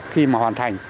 khi mà hoàn thành